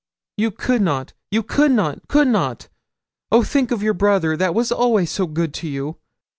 You could not you could not could not! Oh, think of your brother that was always so good to you!